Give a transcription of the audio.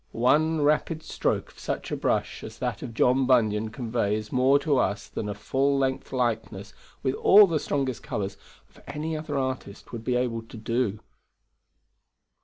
One rapid stroke of such a brush as that of John Bunyan conveys more to us than a full length likeness, with all the strongest colours, of any other artist would be able to do.